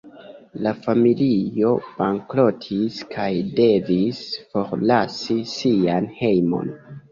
La familio bankrotis kaj devis forlasi sian hejmon.